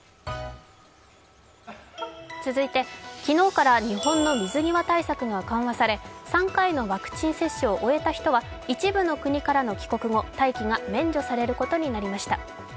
続いて、昨日から日本の水際対策が緩和され３回のワクチン接種を終えた人は、一部の国からの帰国後、待機が免除されることになりました。